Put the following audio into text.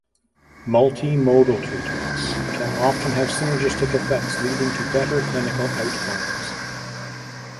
Multimodal treatments can often have synergistic effects leading to better clinical outcomes.